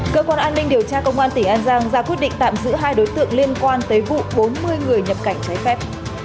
cơ quan an ninh điều tra công an tỉnh an giang ra quyết định tạm giữ hai đối tượng liên quan tới vụ bốn mươi người nhập cảnh trái phép